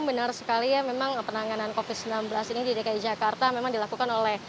benar sekali ya memang penanganan covid sembilan belas ini di dki jakarta memang dilakukan oleh